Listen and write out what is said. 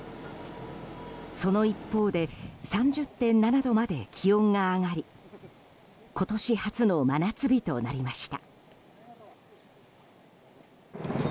その一方で３０．７度まで気温が上がり今年初の真夏日となりました。